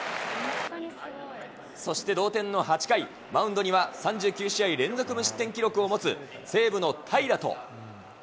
そして同点の８回、マウンドには３９試合連続無失点記録を持つ西武の平良と。